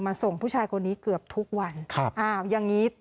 มาส่งผู้ชายคนนี้เกือบทุกวัน